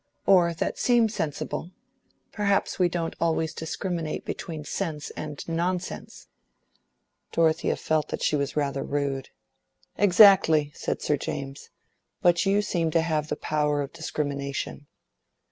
"Or that seem sensible. Perhaps we don't always discriminate between sense and nonsense." Dorothea felt that she was rather rude. "Exactly," said Sir James. "But you seem to have the power of discrimination."